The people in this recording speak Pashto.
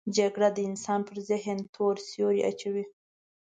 جګړه د انسان پر ذهن تور سیوری اچوي